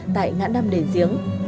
tại ngã năm đền diếng